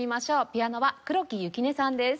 ピアノは黒木雪音さんです。